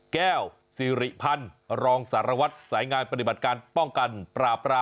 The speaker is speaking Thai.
แก้วสิริพันธ์รองสารวัตรสายงานปฏิบัติการป้องกันปราบราม